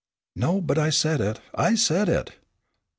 "No; but I said it, I said it!"